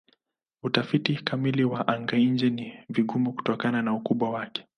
Utafiti kamili wa anga-nje ni vigumu kutokana na ukubwa wake.